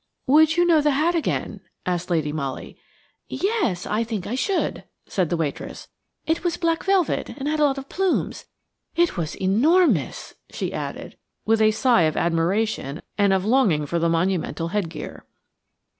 "Would you know the hat again?" asked Lady Molly. "Yes–I think I should," said the waitress. "It was black velvet and had a lot of plumes. It was enormous," she added, with a sigh of admiration and of longing for the monumental headgear.